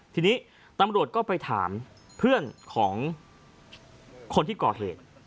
ทีนี้ตำรวจก็ไปถามเพื่อนของคนที่ก่อเหตุ